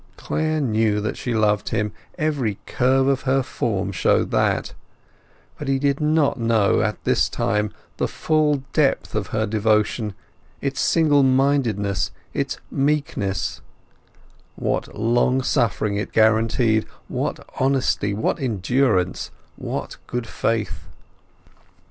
Clare knew that she loved him—every curve of her form showed that—but he did not know at that time the full depth of her devotion, its single mindedness, its meekness; what long suffering it guaranteed, what honesty, what endurance, what good faith.